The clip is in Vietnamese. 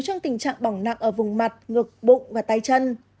trong tình trạng bỏng nặng ở vùng mặt ngược bụng và tay chân